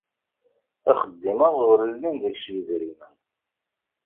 Axeddim-a ur llin deg-s yedrimen.